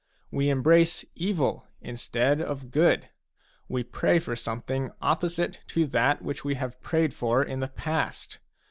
We embrace evil instead of good; we pray for something opposite to that which we have prayed for in the past.